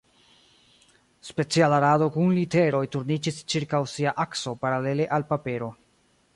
Speciala rado kun literoj turniĝis ĉirkaŭ sia akso paralele al papero.